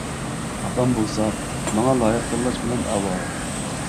ئاپام بولسا ماڭا لايىق تاللاش بىلەن ئاۋارە.